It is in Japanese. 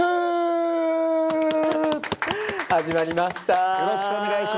始まりました。